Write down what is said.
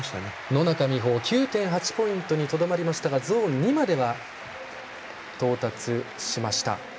野中生萌９．８ポイントにとどまりましたがゾーン２までは到達しました。